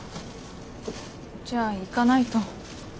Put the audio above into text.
じゃあ行かないと。